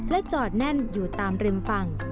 จอดแน่นอยู่ตามริมฝั่ง